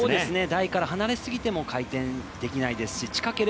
台から離れすぎても回転できないですし近けれ